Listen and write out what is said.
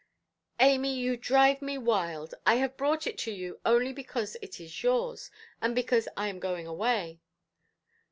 "Amy, you drive me wild. I have brought it to you only because it is yours, and because I am going away".